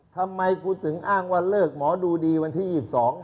ทำไมกูถึงอ้างว่าเลิกหมอดูดีวันที่๒๒